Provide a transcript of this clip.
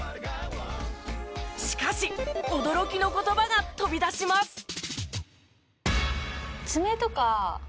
しかし驚きの言葉が飛び出します！